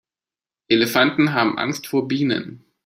Elefanten haben Angst vor Bienen.